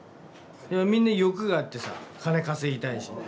みんな欲があってさ金稼ぎたいし。